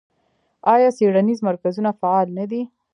آیا څیړنیز مرکزونه فعال نه دي؟